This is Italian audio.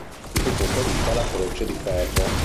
Gli fu conferita la Croce di Ferro.